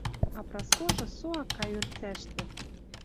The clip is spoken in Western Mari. А Праскожы со ак кай ӧлицӓштӹ